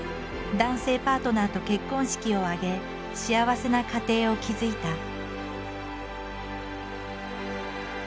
男性パートナーと結婚式を挙げ幸せな家庭を築いた。